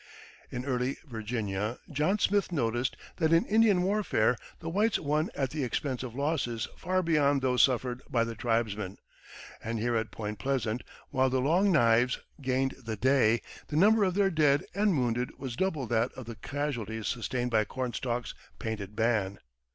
In early Virginia, John Smith noticed that in Indian warfare the whites won at the expense of losses far beyond those suffered by the tribesmen; and here at Point Pleasant, while the "Long Knives" gained the day, the number of their dead and wounded was double that of the casualties sustained by Cornstalk's painted band.